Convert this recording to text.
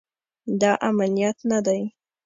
دا امنیت نه دی